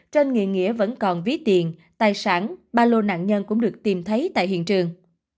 trên người nghĩa vẫn còn ví tiền tài sản ba lô nạn nhân cũng được tìm thấy tại hiện trường